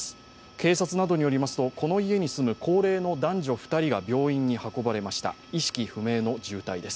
警察などによりますと、この家に住む高齢の男女２人が病院に運ばれました意識不明の重体です。